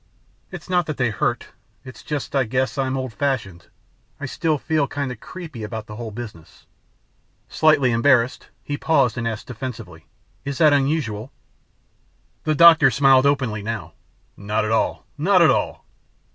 It's not that they hurt ... it's just that I guess I'm old fashioned. I still feel kinda 'creepy' about the whole business." Slightly embarrassed, he paused and asked defensively, "Is that unusual?" The doctor smiled openly now, "Not at all, not at all.